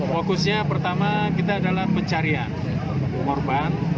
fokusnya pertama kita adalah pencarian korban